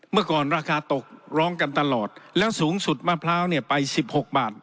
เมื่อก่อนราคาตกร้องกันตลอดแล้วสูงสุดมะพร้าวเนี่ยไปสิบหกบาท